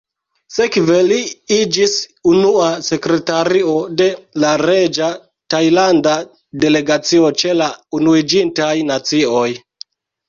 Sekve li iĝis unua sekretario de la reĝa tajlanda delegacio ĉe la Unuiĝintaj Nacioj.